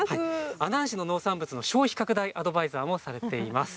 阿南市の農産物の消費拡大アドバイザーもされています。